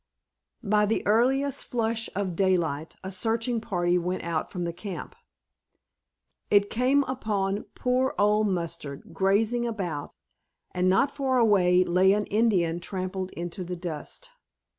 By the earliest flush of daylight a searching party went out from camp. It came upon poor Old Mustard grazing about, and not far away lay an Indian trampled into the dust.